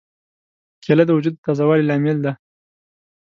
کېله د وجود د تازه والي لامل ده.